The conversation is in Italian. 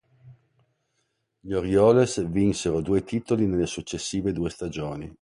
Gli Orioles vinsero due titoli nelle successive due stagioni.